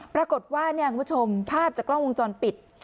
ปรากฏว่าคุณผู้ชมภาพจากกล้องวงจรปิด